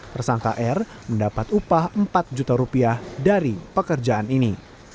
tersangka r mendapat upah empat juta rupiah dari pekerjaan ini